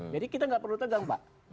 jadi kita tidak perlu tegang pak